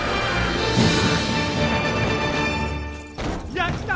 やった！